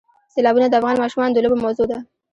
سیلابونه د افغان ماشومانو د لوبو موضوع ده.